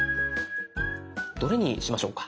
どれにしましょうか？